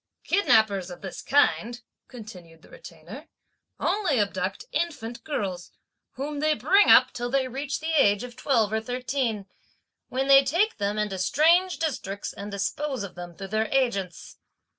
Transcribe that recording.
"Kidnappers of this kind," continued the Retainer, "only abduct infant girls, whom they bring up till they reach the age of twelve or thirteen, when they take them into strange districts and dispose of them through their agents.